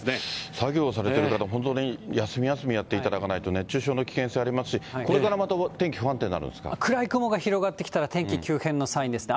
作業されてる方、本当に休み休みやっていただかないと、熱中症の危険性ありますし、これからまた天気不安定になるんです暗い雲が広がってきたら、天気急変のサインですね。